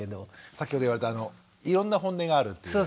先ほど言われたいろんなホンネがあるっていう。